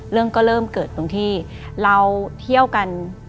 เรื่องก็เริ่มเกิดตรงที่เราเที่ยวกัน